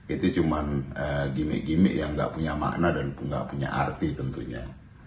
itu cuma gimmick gimmick yang gak punya makna dan nggak punya arti tentunya